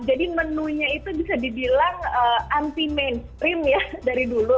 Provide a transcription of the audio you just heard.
jadi menunya itu bisa dibilang anti mainstream ya dari dulu